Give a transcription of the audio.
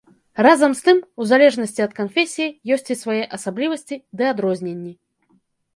Разам з тым, у залежнасці ад канфесіі, ёсць і свае асаблівасці ды адрозненні.